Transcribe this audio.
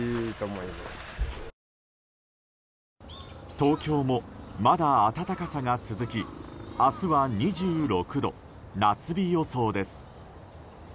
東京もまだ暖かさが続き明日は２６度夏日予想です。